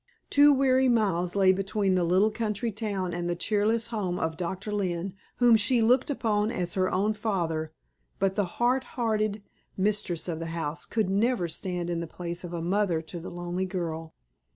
Two weary miles lay between the little country town and the cheerless home of Doctor Lynne whom she looked upon as an own father; but the hard hearted mistress of the house could never stand in the place of a mother to the lonely girl.